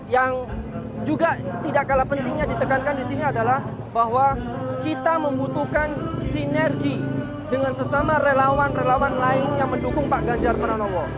yang juga tidak kalah pentingnya ditekankan di sini adalah bahwa kita membutuhkan sinergi dengan sesama relawan relawan lain yang mendukung pak ganjar pranowo